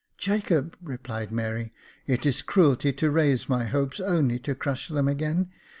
" Jacob," replied Mary, " it is cruelty to raise my hopes only to crush them again.